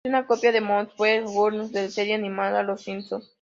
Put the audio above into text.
Es una copia de Montgomery Burns de la serie animada Los Simpson.